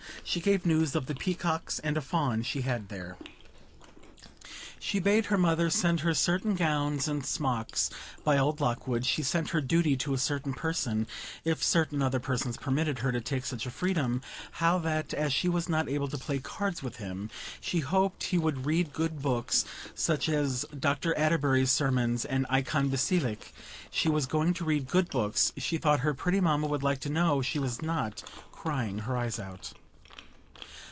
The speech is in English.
She gave news of the peacocks, and a fawn she had there. She bade her mother send her certain gowns and smocks by old Lockwood; she sent her duty to a certain Person, if certain other persons permitted her to take such a freedom; how that, as she was not able to play cards with him, she hoped he would read good books, such as Doctor Atterbury's sermons and "Eikon Basilike:" she was going to read good books; she thought her pretty mamma would like to know she was not crying her eyes out.